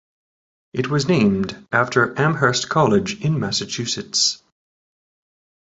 It was named after Amherst College, in Massachusetts.